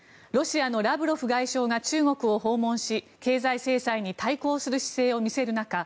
ロシアのラブロフ外相が中国を訪問し経済制裁に対抗する姿勢を見せる中